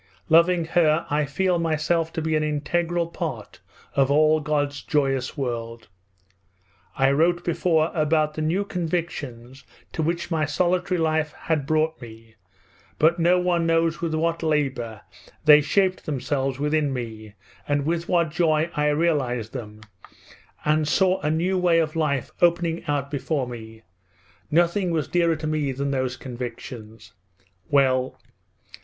Loving her I feel myself to be an integral part of all God's joyous world. I wrote before about the new convictions to which my solitary life had brought me, but no one knows with what labour they shaped themselves within me and with what joy I realized them and saw a new way of life opening out before me; nothing was dearer to me than those convictions... Well!